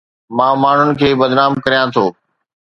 مان ماڻهن کي بدنام ڪريان ٿو